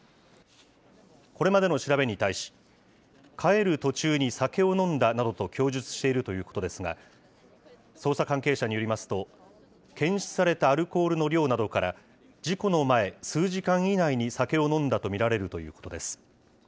これまでの調べに対し、帰る途中に酒を飲んだなどと供述しているということですが、捜査関係者によりますと、検出されたアルコールの量などから、事故の前、数時間以内に酒を飲んだと見られるということです。